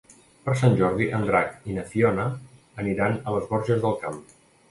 Per Sant Jordi en Drac i na Fiona aniran a les Borges del Camp.